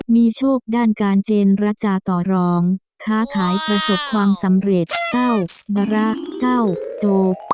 มีโชคด้านการเจรจาต่อรองค้าขายประสบความสำเร็จเต้ามะระเจ้าโจ